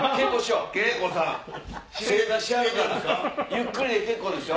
ゆっくりで結構ですよ。